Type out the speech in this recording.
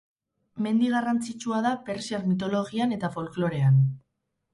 Mendi garrantzitsua da persiar mitologian eta folklorean.